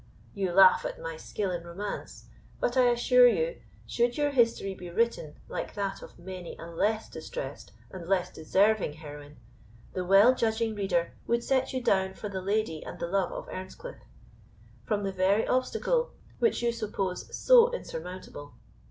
You laugh at my skill in romance; but, I assure you, should your history be written, like that of many a less distressed and less deserving heroine, the well judging reader would set you down for the lady and the love of Earnscliff; from the very obstacle which you suppose so insurmountable."